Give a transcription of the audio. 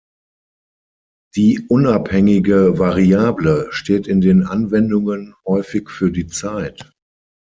Die unabhängige Variable steht in den Anwendungen häufig für die Zeit.